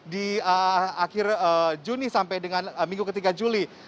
di akhir juni sampai dengan minggu ketiga juli